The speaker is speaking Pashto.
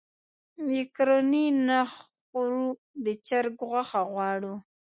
مېکاروني نه خورو د چرګ غوښه غواړو.